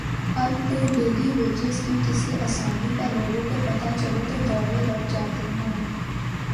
اب تو daily wages کی کسی آسامی کا لوگوں کو پتہ چلے تو دوڑیں لگ جاتی ہیں۔